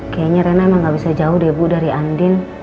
kayaknya rena emang gak bisa jauh deh bu dari andil